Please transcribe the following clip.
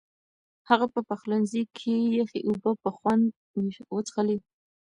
هغه په پخلنځي کې یخې اوبه په خوند وڅښلې.